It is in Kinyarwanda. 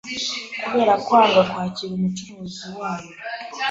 kubera kwanga kwakira Umucunguzi wayo